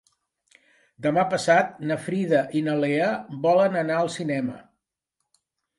Demà passat na Frida i na Lea volen anar al cinema.